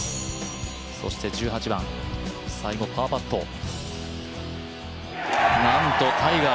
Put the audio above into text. そして１８番、最後パーパット。